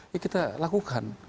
ya kita lakukan